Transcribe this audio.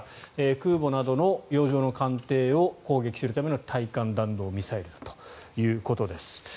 空母などの洋上の艦艇を攻撃するための対艦弾道ミサイルだということです。